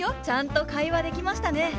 ちゃんと会話できましたね。